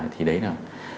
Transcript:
thì đấy là